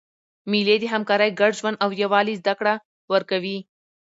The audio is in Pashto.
مېلې د همکارۍ، ګډ ژوند او یووالي زدهکړه ورکوي.